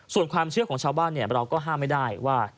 ส่วนความเชื่อของชาวบ้านเราก็ห้ามไม่ได้ว่า